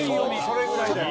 それぐらいだよ。